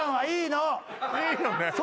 いいのね